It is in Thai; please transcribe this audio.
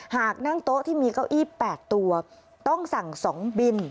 หากนั่งโต๊ะที่มีเก้าอี้๘ตัวต้องสั่ง๒บิน